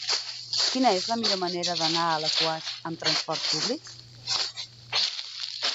Quina és la millor manera d'anar a Alaquàs amb transport públic?